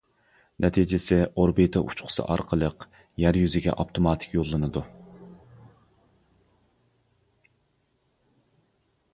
نەتىجىسى ئوربىتا ئۇچقۇسى ئارقىلىق يەر يۈزىگە ئاپتوماتىك يوللىنىدۇ.